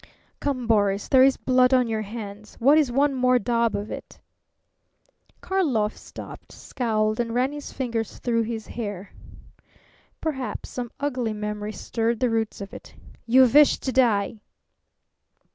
"Come, Boris. There is blood on your hands. What is one more daub of it?" Karlov stopped, scowled, and ran his fingers through his hair. Perhaps some ugly memory stirred the roots of it. "You wish to die!"